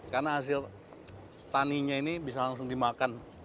karena hasil taninya ini bisa langsung dimakan